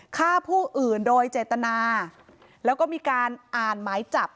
ฆ่าผู้อื่นโดยเจตนาแล้วก็มีการอ่านหมายจับ